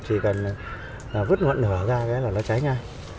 thì vứt nguộn nở ra là nó cháy nha